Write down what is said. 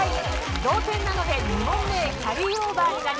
同点なので２問目へキャリーオーバーになります。